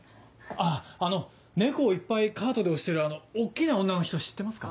あっあの猫をいっぱいカートで押してるあの大っきな女の人知ってますか？